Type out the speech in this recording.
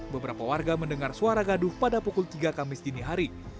beberapa warga mendengar suara gaduh pada pukul tiga kamis dini hari